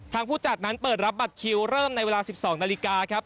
ผู้จัดนั้นเปิดรับบัตรคิวเริ่มในเวลา๑๒นาฬิกาครับ